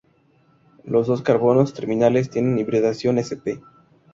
Los dos carbonos terminales tienen hibridación sp.